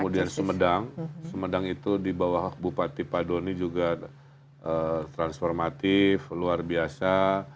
kemudian sumedang sumedang itu di bawah bupati pak doni juga transformatif luar biasa